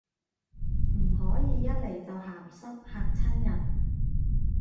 唔可以一嚟就鹹濕，嚇親人